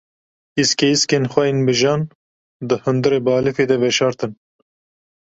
Îskeîskên xwe yên bi jan, di hundirê balîfê de veşartin.